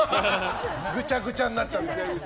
ぐちゃぐちゃになっちゃった。